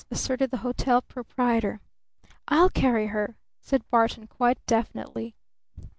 asserted the hotel proprietor. "I'll carry her!" said Barton quite definitely.